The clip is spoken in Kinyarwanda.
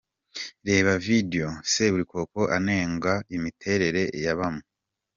Reba Videwo Seburikoko anenga imiteretere ya bamwe .